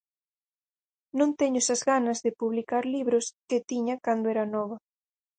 Non teño esas ganas de publicar libros que tiña cando era nova.